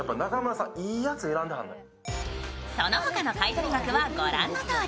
そのほかの買い取り額はご覧のとおり。